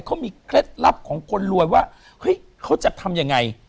เขามีเคล็ดลับของคนรวยว่าเฮ้ยเขาจะทำยังไง